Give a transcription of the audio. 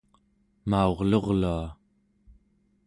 maurlurlua